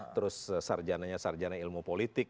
terus sarjananya ilmu politik